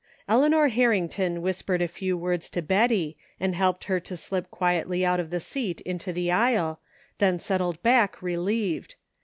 Eleanor Harrington whispered a few words to Betty, and helped her to slip quietly out of the seat into the aisle, then settled back relieved.